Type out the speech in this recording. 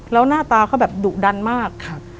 แล้วหน้าตาเขาแบบดุดันมาก